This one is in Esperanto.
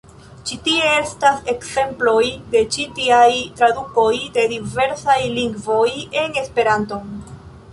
Ĉi tie estas ekzemploj de ĉi tiaj tradukoj de diversaj lingvoj en Esperanton.